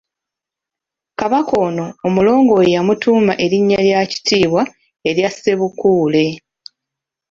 Kabaka ono Omulongo we yamutuuma erinnya lya kitiibwa erya Ssebukuule.